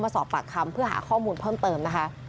สอบปากคำเพื่อหาข้อมูลเพิ่มเติมนะคะ